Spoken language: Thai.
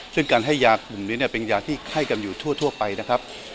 ซึ่งการให้ยากลุ่มนี้เป็นยาที่ไข้กันอยู่ทั่วไปนะครับ